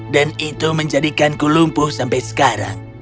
dan itu menjadikanku lumpuh sampai sekarang